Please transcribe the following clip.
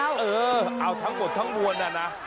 เออเอาทั้งหมดทั้งมวลน่ะนะ